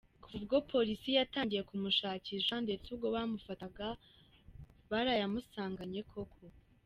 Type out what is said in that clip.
Kuva ubwo polisi yatangiye kumushakisha ndetse ubwo bamufataga barayamusanganye koko.